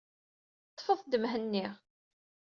Ṭṭfet-d Mhenni.